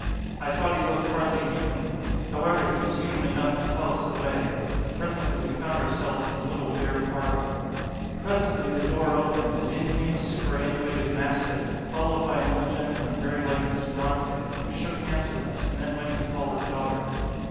I thought he looked hardly human; however, he was human enough to tell us the way; and presently we found ourselves in the little bare parlour. Presently the door opened, and in came a superannuated mastiff, followed by an old gentleman very like Miss Brontë, who shook hands with us, and then went to call his daughter.